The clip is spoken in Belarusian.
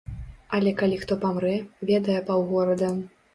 Але калі хто памрэ, ведае паўгорада.